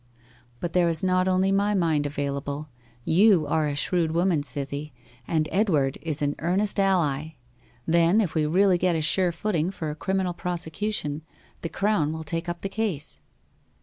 But there is not only my mind available you are a shrewd woman, Cythie, and Edward is an earnest ally. Then, if we really get a sure footing for a criminal prosecution, the Crown will take up the case.